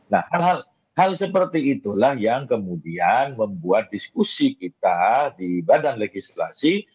nah hal hal seperti itulah yang kemudian membuat diskusi kita di badan legislasi